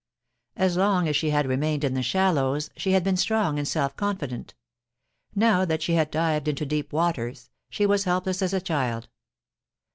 As long as she had remained in the shallows, she had been strong and self con fident ; now that she had dived into deep waters, she was helpless as a child.